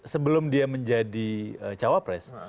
sebelum dia menjadi cawapres